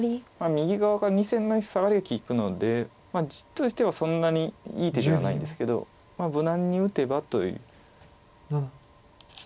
右側から２線のサガリが利くので地としてはそんなにいい手ではないんですけど無難に打てばという。